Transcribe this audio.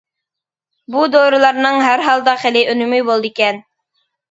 بۇ دورىلارنىڭ ھەر ھالدا خېلى ئۈنۈمى بولىدىكەن.